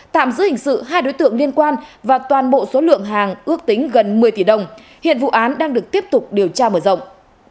tạm giữ hình sự hai đối tượng liên quan và toàn bộ số lượng hàng ước tính gần một mươi tỷ đồng hiện vụ án đang được tiếp tục điều tra mở rộng